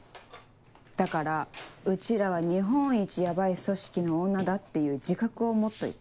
だからうちらは日本一ヤバい組織の女だっていう自覚を持っといて。